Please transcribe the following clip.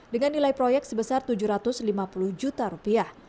dengan nilai proyek sebesar tujuh ratus lima puluh juta rupiah